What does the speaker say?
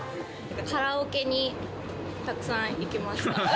カラオケにたくさん行きました。